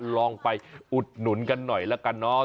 ลองไปอุดหนุนกันหน่อยละกันเนาะ